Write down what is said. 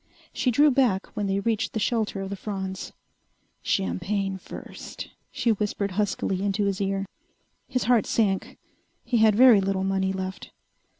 She drew back when they reached the shelter of the fronds. "Champagne, first," she whispered huskily into his ear. His heart sank. He had very little money left.